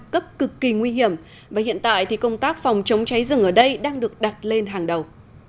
cấp cực kỳ nguy hiểm và hiện tại thì công tác phòng chống cháy rừng ở đây đang được đặt lên hàng đầu